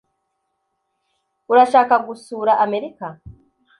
Urashaka gusura Amerika?